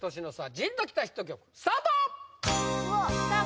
ジーンときたヒット曲スタートさあ